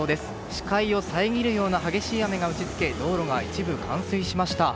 視界を遮るような激しい雨が打ち付け道路が一部冠水しました。